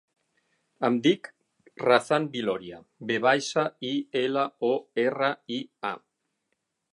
Em dic Razan Viloria: ve baixa, i, ela, o, erra, i, a.